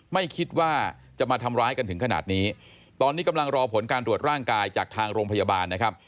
ไม่คิดว่าจะมาทำร้ายกันถึงขนาดนี้ตอนนี้กำลังรอผลการตรวจร่างกายจากทางโรงพยาบาลนะครับ